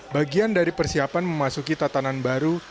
bagian dari persiapan memasuki tatanan baru